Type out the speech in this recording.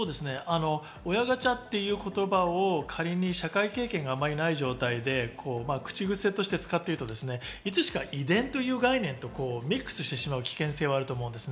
親ガチャっていう言葉を仮に社会経験があまりない状態で口癖として使っていると、いつしか遺伝という概念とミックスしてしまう危険性があると思う。